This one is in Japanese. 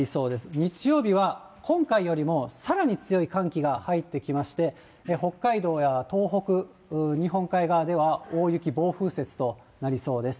日曜日は、今回よりもさらに強い寒気が入ってきまして、北海道や東北、日本海側では大雪、暴風雪となりそうです。